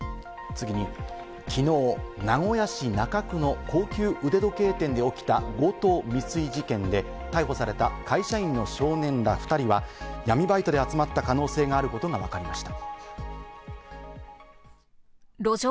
次に、昨日、名古屋市中区の高級腕時計店で起きた強盗未遂事件で、逮捕された会社員の少年ら２人は、闇バイトで集まった可能性があることがわかりました。